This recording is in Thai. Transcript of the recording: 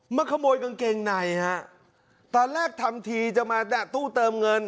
มาขโมยกางเกงในฮะตอนแรกทำทีจะมาแตะตู้เติมเงิน